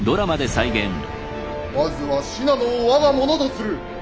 まずは信濃を我が物とする。